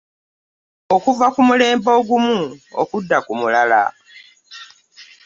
Okuva ku mulembe ogumu okudda ku mulala.